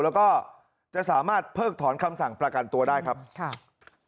แล้วก็จะสามารถเพิกถอนคำสั่งประกันตัวได้ครับค่ะ